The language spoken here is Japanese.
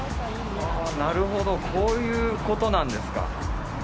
なるほどこういうことなんですか。